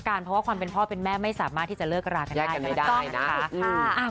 เพราะว่าความเป็นพ่อเป็นแม่ไม่สามารถที่จะเลิกรากันได้ก็ได้นะคะ